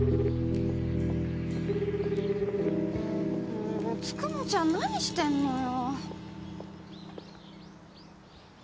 もうつくもちゃん何してんのよ。